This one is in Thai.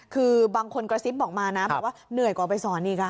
คือบางคนกระซิบบอกมานะบอกว่าเหนื่อยกว่าไปสอนอีก